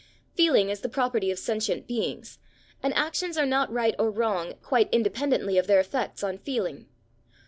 Feeling is the property of sentient beings, and actions are not right or wrong quite independently of their effects on feeling.